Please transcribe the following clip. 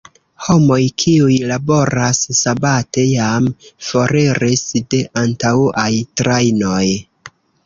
Homoj, kiuj laboras sabate jam foriris de antaŭaj trajnoj.